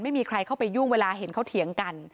ไม่มีใครเข้าไปยุ่งเวลาเห็นเขาเถียงกัน